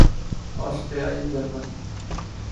آسٹریائی German